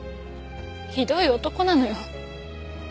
ひどい男なのよ。